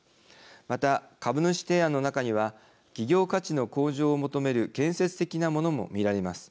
また、株主提案の中には企業価値の向上を求める建設的なものも見られます。